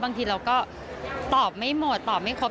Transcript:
บางทีเราก็ตอบไม่หมดตอบไม่ครบ